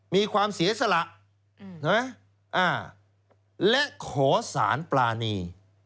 มีความเสียสละและขอสารปรานี